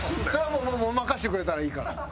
もう任せてくれたらいいから。